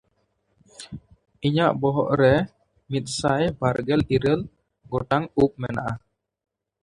ᱤᱧᱟᱜ ᱵᱚᱦᱚᱜ ᱨᱮ ᱢᱤᱫᱥᱟᱭ ᱵᱟᱨᱜᱮᱞ ᱤᱨᱟᱹᱞ ᱜᱚᱴᱟᱝ ᱩᱵ ᱢᱮᱱᱟᱜᱼᱟ᱾